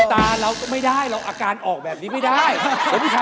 บนตาเราไม่ได้คุณมีแบบงี้ซึ่งอาการออกไม่ได้